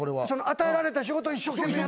与えられた仕事を一生懸命。